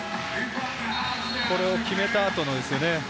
これを決めた後ですよね。